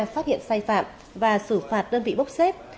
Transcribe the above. phát hiện sai phạm và xử phạt đơn vị bốc xếp